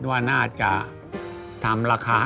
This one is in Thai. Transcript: โปรดติดตามต่อไป